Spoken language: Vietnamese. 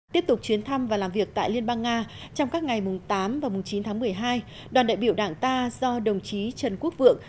tiếp tục chuyến thăm và làm việc tại liên bang nga trong các ngày tám và chín tháng một mươi hai đoàn đại biểu đảng ta do đồng chí trần quốc vượng